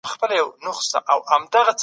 سياستپوهنه د ټولې نړۍ لپاره اصول ټاکي.